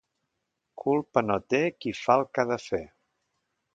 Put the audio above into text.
Culpa no té qui fa el que ha de fer.